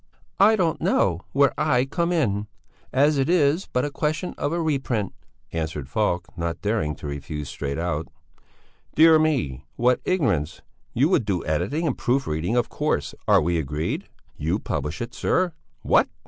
"I don't know where I come in, as it is but a question of a reprint," answered Falk, not daring to refuse straight out. "Dear me, what ignorance! You would do the editing and proof reading, of course. Are we agreed? You publish it, sir! What?